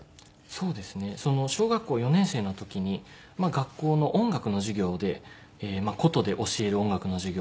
そうですね小学校４年生の時に学校の音楽の授業でまあ箏で教える音楽の授業。